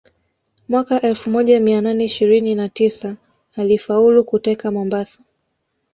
Mwaka elfu moja mia nane ishirini na tisa alifaulu kuteka Mombasa